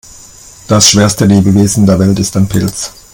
Das schwerste Lebewesen der Welt ist ein Pilz.